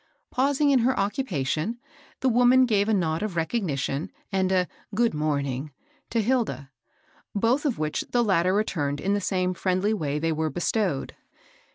Pausing in her occupation, the woman gave a nod of recognition and a "good morning" to HMa; both of which the latter returned in the (266) THE FIBSiyFLOOB LODGER. 267 same friendly way they were bestowed.